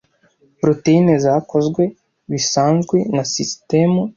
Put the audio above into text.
proteyine zakozwe bisanzwe na sisitemu